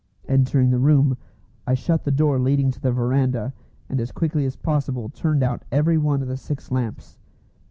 Entering the room, I shut the door leading to the verandah, and as quickly as possible turned out every one of the six lamps.